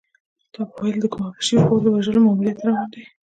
تا به ویل د کوم وحشي اور د وژلو ماموریت ته روان دی.